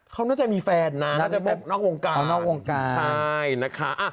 เขาน่าจะมีแฟนนะน่าจะพบนอกวงการนอกวงการใช่นะคะ